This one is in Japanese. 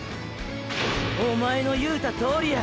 おまえの言うたとおりや！